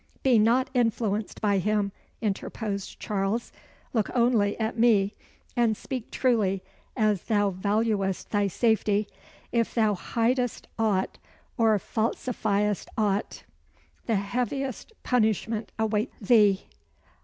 "Be not influenced by him," interposed Charles. "Look only at me, and speak truly, as thou valuest thy safety. If thou hidest aught, or falsifiest aught, the heaviest punishment awaits thee!"